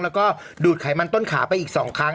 แล้วก็ดูดไขมันต้นขาไปอีก๒ครั้ง